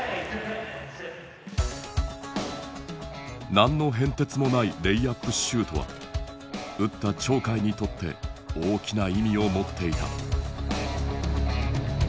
何の変哲もないレイアップシュートは打った鳥海にとって大きな意味を持っていた。